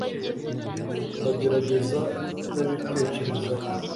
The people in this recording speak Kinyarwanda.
ndagerageza kutabitekerezaho